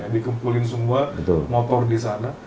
dikumpulin semua motor di sana